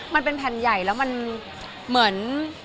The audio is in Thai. มันเป็นแผ่นใหญ่แล้วมันเหมือน